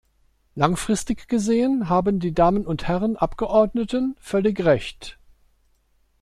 Langfristig gesehen haben die Damen und Herren Abgeordneten völlig Recht.